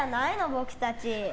僕たち。